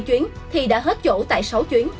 bảy chuyến thì đã hết chỗ tại sáu chuyến